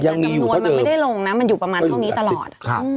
แต่จำนวนมันไม่ได้ลงนะมันอยู่ประมาณเท่านี้ตลอด